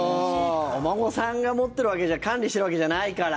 お孫さんが持ってるわけじゃ管理してるわけじゃないから。